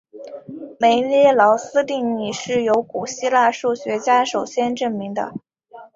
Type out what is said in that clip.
梅涅劳斯定理是由古希腊数学家首先证明的。